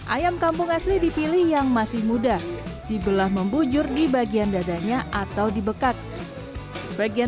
ayam kampung asli dipilih yang masih muda dibelah membujur di bagian dadanya atau dibekat bagian